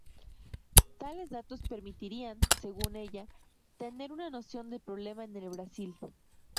Tales datos permitirían, según ella, tener una noción del problema en el Brasil.